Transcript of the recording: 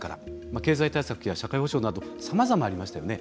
経済対策や社会保障などさまざまありましたよね。